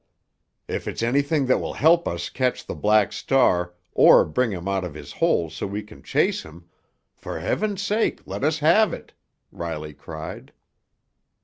"If it's anything that will help us catch the Black Star or bring him out of his hole so we can chase him, for Heaven's sake let us have it!" Riley cried.